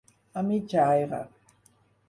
A mig aire.